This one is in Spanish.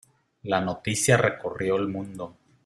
La noticia recorrió el mundo.